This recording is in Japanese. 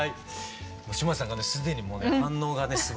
島津さんがね既にもうね反応がすばらしい。